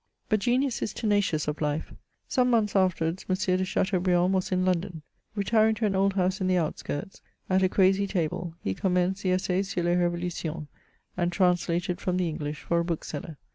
But genius is tenacious of life. Some months afterwards, M. de Chateaubriand was in London. Retiring to an old house in the outskirts, at a crazy table, he commenced the Essai sur les Revolutions, and translated from the English for a bookseller.